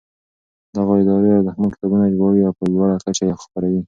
دغو ادارو ارزښتمن کتابونه ژباړي او په لوړه کچه یې خپروي.